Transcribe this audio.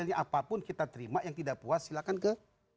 siapapun kita terima yang tidak puas silahkan ke